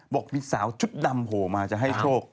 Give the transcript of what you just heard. บอกมีสาวชุดดำโผล่มาจะให้โชค